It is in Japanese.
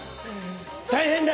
大変だ！